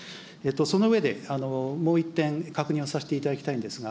その上で、もう１点、確認をさせていただきたいんですが、